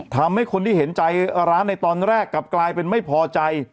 ทำให้คนที่เห็นใจร้านในตอนแรกกลับกลายเป็นไม่พอใจ